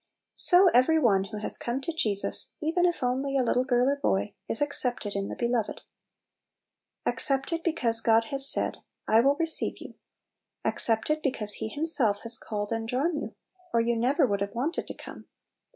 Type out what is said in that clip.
So every one who has come to Jesus, even if only a little girl or boy, is " ac cepted in the Beloved." Accepted, be cause God has said, "I will receive you." Accepted, because He Himself has called and drawn you, or you never would have wanted to come.